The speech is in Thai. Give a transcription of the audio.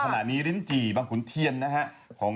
ลิ้นจี่บางขุนเทียนนะครับ